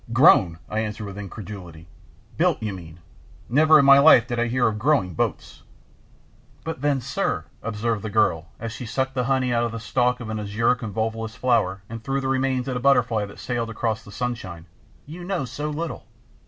"Grown!" I answered with incredulity. "Built, you mean. Never in my life did I hear of growing boats." "But then, sir," observed the girl as she sucked the honey out of the stalk of an azure convolvulus flower and threw the remains at a butterfly that sailed across the sunshine, "you know so little!